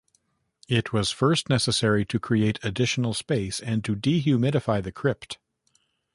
It was first necessary to create additional space and to dehumidify the crypt.